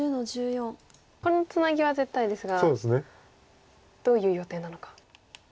このツナギは絶対ですがどういう予定なのか。